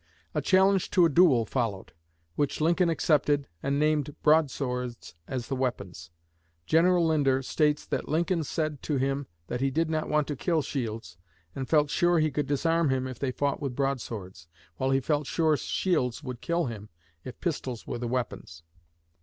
A challenge to a duel followed, which Lincoln accepted and named broadswords as the weapons. General Linder states that Lincoln said to him that he did not want to kill Shields, and felt sure he could disarm him if they fought with broadswords, while he felt sure Shields would kill him if pistols were the weapons.